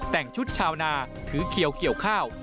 แต่งชุดชาวนาถือเขียวข้าว